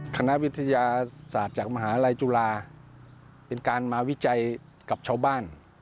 คณะวิทยาศาสตร์จากมหาลัยจุฬาเป็นการมาวิจัยกับชาวบ้าน